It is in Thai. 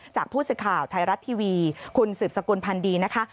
จากผู้สึกข่าวไทยรัตน์ทีวีคุณสึบสกุลพันดีนะคะ